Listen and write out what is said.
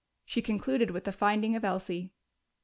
She concluded with the finding of Elsie.